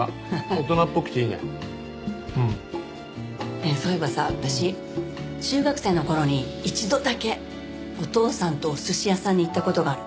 ねえそういえばさ私中学生の頃に一度だけお父さんとお寿司屋さんに行った事がある。